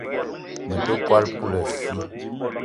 Me te kwal poulassi